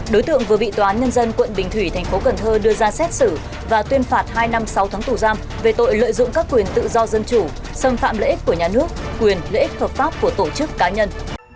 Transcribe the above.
đối tượng vừa bị tòa án nhân dân quận bình thủy thành phố cần thơ đưa ra xét xử và tuyên phạt hai năm sáu tháng tù giam về tội lợi dụng các quyền tự do dân chủ xâm phạm lợi ích của nhà nước quyền lợi ích hợp pháp của tổ chức cá nhân